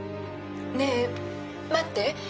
ねぇ待って。